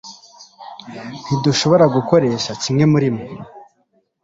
ntidushobora gukoresha kimwe murimwe